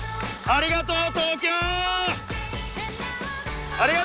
ありがとう！